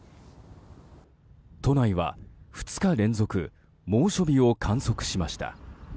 都内は２日連続猛暑日を観測しました。